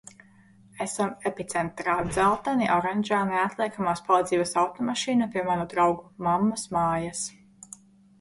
Esam epicentrā! Dzelteni oranžā neatliekamās palīdzības automašīna pie manu draugu mammas mājas.